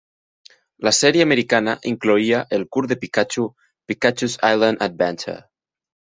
La sèrie americana incloïa el curt de Pikachu "Pikachu's Island Adventure".